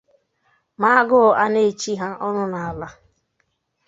ma agụ ana-echi ha ọnụ n'ala